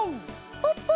ポッポ！